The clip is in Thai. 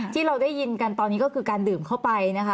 ที่เราได้ยินกันตอนนี้ก็คือการดื่มเข้าไปนะคะ